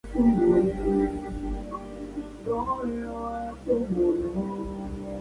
Estos axiomas proporcionan definiciones sintácticas completas de los operadores de conjunción y disyunción.